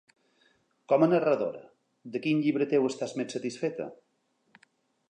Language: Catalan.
Com a narradora, de quin llibre teu estàs més satisfeta?